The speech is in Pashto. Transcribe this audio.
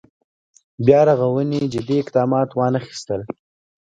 بیا رغونې جدي اقدامات وانخېستل.